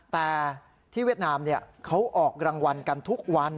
แต่ที่เวียดนามเขาออกรางวัลกันทุกวัน